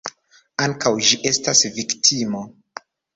Ankaŭ ĝi estas viktimo.